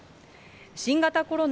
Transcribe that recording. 新型コロナ